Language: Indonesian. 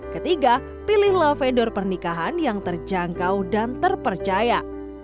ketiga pilihlah vendor pernikahan yang terjangkau dan terpercaya